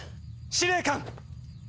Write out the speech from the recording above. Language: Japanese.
司令官！